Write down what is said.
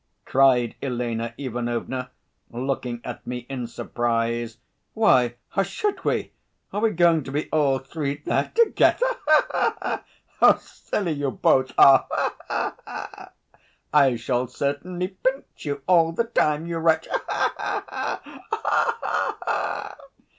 cried Elena Ivanovna, looking at me in surprise. "Why, how should we ... are we going to be all three there together? Ha ha ha! How silly you both are! Ha ha ha! I shall certainly pinch you all the time, you wretch! Ha ha ha! Ha ha ha!"